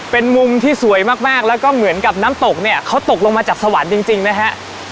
เป็นมุมที่สวยมากแล้วก็เหมือนกับน้ำตกเนี่ยเขาตกลงมาจากสวรรค์จริงนะฮะ